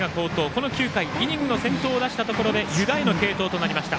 この９回、イニングの先頭を出したところで湯田への継投となりました。